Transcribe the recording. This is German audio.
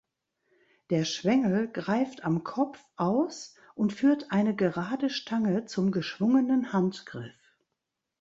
Der Schwengel greift am Kopf aus und führt eine gerade Stange zum geschwungenen Handgriff.